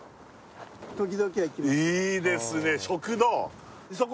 いいですね食堂？